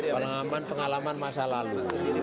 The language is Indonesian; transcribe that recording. pengalaman pengalaman masa lalu